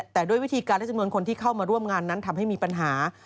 แต่ด้วยวิธีการและจำนวนคนที่เข้ามาร่วมงานนั้นทำให้มีปัญหา